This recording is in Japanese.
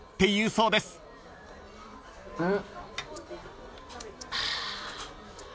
うん。